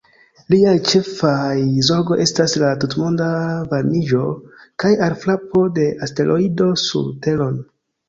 Liaj ĉefaj zorgoj estas la tutmonda varmiĝo kaj alfrapo de asteroido sur Teron.